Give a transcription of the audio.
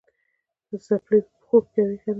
څپلۍ په پښو کوې که نه؟